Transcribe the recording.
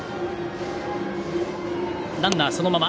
ランナーはそのまま。